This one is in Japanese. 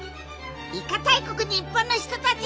イカ大国日本の人たち！